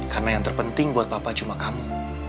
karena yang terpenting buat papa cuma kamu